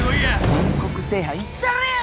全国制覇いったれや！